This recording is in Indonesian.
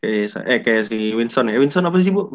kayak si winston ya winston apa sih bu